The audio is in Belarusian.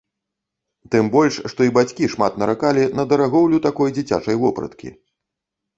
Тым больш, што і бацькі шмат наракалі на дарагоўлю такой дзіцячай вопраткі.